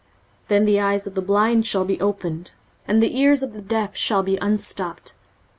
23:035:005 Then the eyes of the blind shall be opened, and the ears of the deaf shall be unstopped.